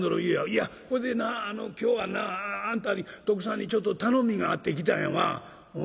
「いやほいでな今日はなあんたに徳さんにちょっと頼みがあって来たんやわ」。